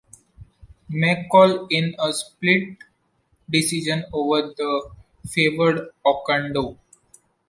McCall won in a split decision over the favored Oquendo.